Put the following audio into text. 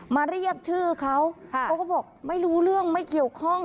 มาเรียกชื่อเขาเขาก็บอกไม่รู้เรื่องไม่เกี่ยวข้อง